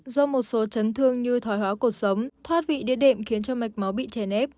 do một số chấn thương như thói hóa cuộc sống thoát vị điện đệm khiến cho mạch máu bị chè nếp